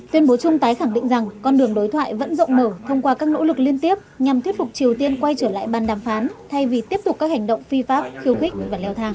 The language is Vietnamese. tuyên bố chung tái khẳng định rằng con đường đối thoại vẫn rộng mở thông qua các nỗ lực liên tiếp nhằm thuyết phục triều tiên quay trở lại bàn đàm phán thay vì tiếp tục các hành động phi pháp khiêu khích và leo thang